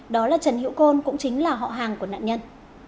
đó là trần hữu côn cũng chính là họ hàng của nạn nhân